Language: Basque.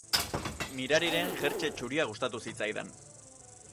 Mirariren jertse txuria gustatu zitzaidan.